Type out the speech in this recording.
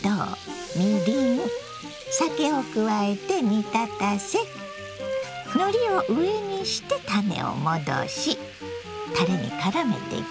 を加えて煮立たせのりを上にしてたねをもどしたれにからめていきますよ。